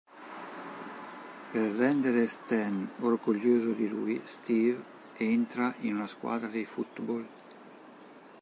Per rendere Stan orgoglioso di lui, Steve entra in una squadra di football.